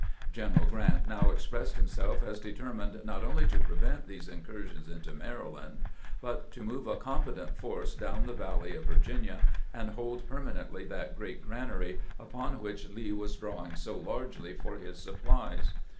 General Grant now expressed himself as determined not only to prevent these incursions into Maryland, but to move a competent force down the valley of Virginia, and hold permanently that great granary, upon which Lee was drawing so largely for his supplies.